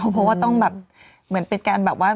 เพราะว่าต้องแบบเหมือนเป็นการแบบว่า